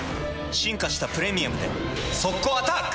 進化した「プレミアム」で速攻アタック！